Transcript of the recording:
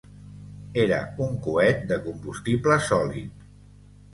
Era un coet de combustible sòlid.